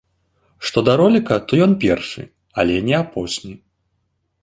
Што да роліка, то ён першы, але не апошні.